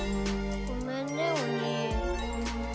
ごめんねお兄。